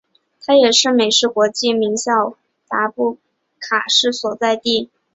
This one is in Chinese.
它也是是美式国际名校达卡市所在地。